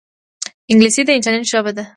انګلیسي د انټرنیټ ژبه ده